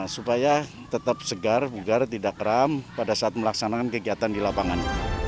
supaya tetap segar bugar tidak kram pada saat melaksanakan kegiatan di lapangan